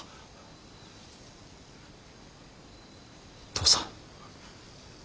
父さん。